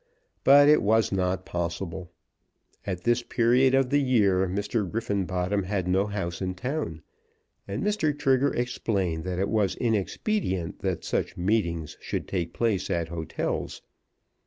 But it was not possible. At this period of the year Mr. Griffenbottom had no house in town, and Mr. Trigger explained that it was inexpedient that such meetings should take place at hotels.